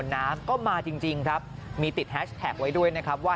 น้ำก็มาจริงครับมีติดแฮชแท็กไว้ด้วยนะครับว่า